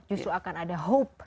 justru akan ada hope